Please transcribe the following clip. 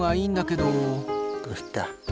どうした？